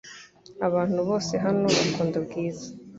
Abantu bose hano bakunda Bwiza .